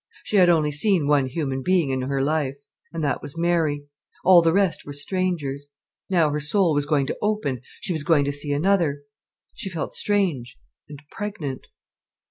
She had only seen one human being in her life—and that was Mary. All the rest were strangers. Now her soul was going to open, she was going to see another. She felt strange and pregnant.